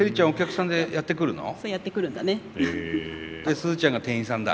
スズちゃんが店員さんだ。